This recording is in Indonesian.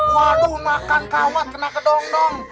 waduh makan kawat kena ke dong dong